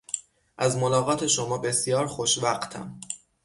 از ملاقات شما بسیار خوشوقتم.